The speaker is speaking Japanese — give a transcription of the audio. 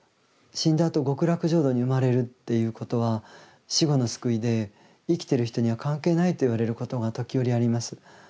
死んだあと極楽浄土に生まれるっていうことは死後の救いで生きてる人には関係ないと言われることが時折あります。